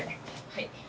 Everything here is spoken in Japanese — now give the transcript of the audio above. はい。